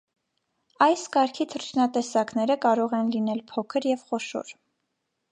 Այս կարգի թռչնատեսակները կարող են լինել փոքր և խոշոր։